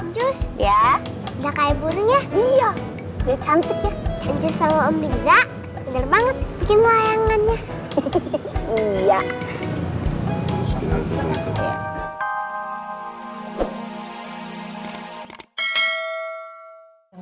jus ya udah kayak burunya dia cantik aja sama om riza bener banget bikin layangannya